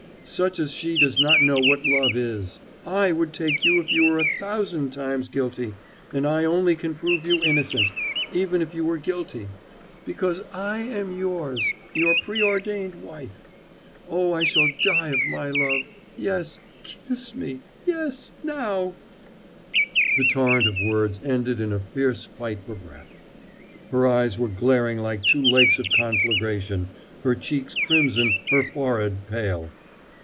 Such as she does not know what love is. I would take you if you were a thousand times guilty and I only can prove you innocent even if you were guilty because I am yours your preordained wife oh, I shall die of my love yes, kiss me yes now " The torrent of words ended in a fierce fight for breath. Her eyes were glaring like two lakes of conflagration, her cheeks crimson, her forehead pale.